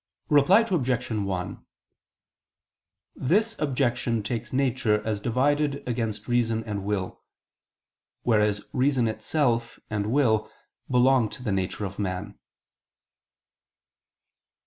Reply Obj. 1: This objection takes nature as divided against reason and will; whereas reason itself and will belong to the nature of man.